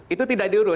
itu tidak diurus